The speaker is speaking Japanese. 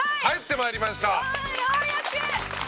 ようやく！